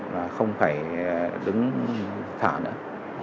và không phải đứng thả nữa